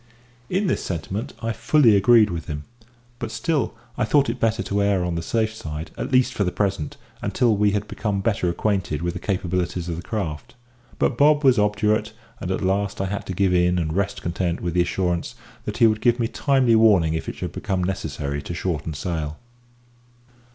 In this sentiment I fully agreed with him; but still I thought it better to err on the safe side, at least for the present, until we had become better acquainted with the capabilities of the craft. But Bob was obdurate, and at last I had to give in and rest content with the assurance that he would give me timely warning if it should become necessary to shorten sail.